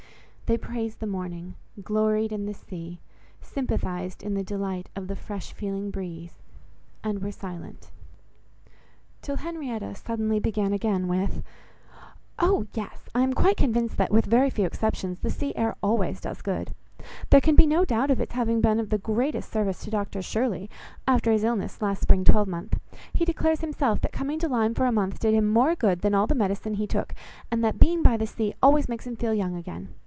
They praised the morning; gloried in the sea; sympathized in the delight of the fresh feeling breeze—and were silent; till Henrietta suddenly began again with— "Oh! yes,—I am quite convinced that, with very few exceptions, the sea air always does good. There can be no doubt of its having been of the greatest service to Dr Shirley, after his illness, last spring twelve month. He declares himself, that coming to Lyme for a month, did him more good than all the medicine he took; and, that being by the sea, always makes him feel young again.